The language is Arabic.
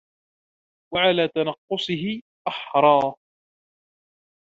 وَعَلَى تَنَقُّصِهِ أَحْرَى